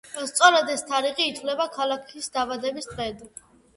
სწორედ ეს თარიღი ითვლება ქალაქის დაბადების დღედ.